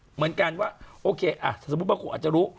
เหมือนกันว่าโอเคสมมุติบางคนอาจจะรู้